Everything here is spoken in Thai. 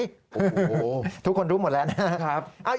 โอ้โหทุกคนรู้หมดแล้วนะครับ